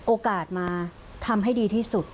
โอกาสมาทำให้ดีที่สุด